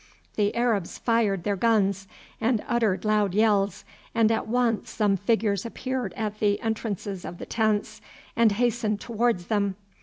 The Arabs fired their guns and uttered loud yells, and at once some figures appeared at the entrances of the tents and hastened towards them.